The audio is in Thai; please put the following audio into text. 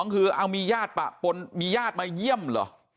คือเอามีญาติปะปนมีญาติมาเยี่ยมเหรอ